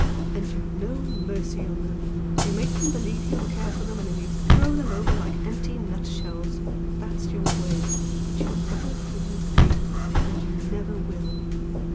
And you've no mercy on them, you make them believe you care for them and then you throw them over like empty nutshells! That's your way! But you never fooled ME, and you never will!"